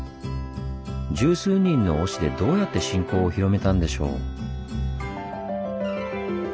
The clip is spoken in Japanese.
十数人の御師でどうやって信仰を広めたんでしょう。